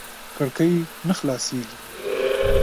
کړکۍ نه خلاصېږي .